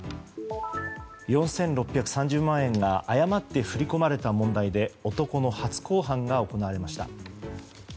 ４６３０万円が誤って振り込まれた問題で男の初公判が行われました。